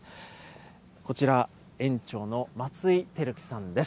こちら、園長の松井映樹さんです。